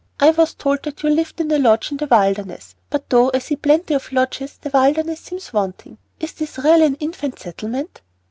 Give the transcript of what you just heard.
I was told that you lived in a lodge in the wilderness, but though I see plenty of lodges the wilderness seems wanting. Is this really an infant settlement?"